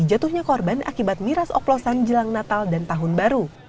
jatuhnya korban akibat miras oplosan jelang natal dan tahun baru